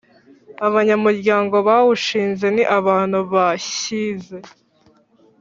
Abanyamuryango bawushinze ni abantu bahyize